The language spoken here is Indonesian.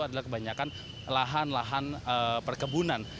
adalah kebanyakan lahan lahan perkebunan